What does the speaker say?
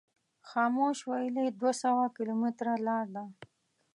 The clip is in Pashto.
خاموش ویلي دوه سوه کیلومتره لار ده.